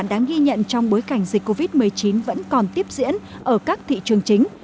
đáng ghi nhận trong bối cảnh dịch covid một mươi chín vẫn còn tiếp diễn ở các thị trường chính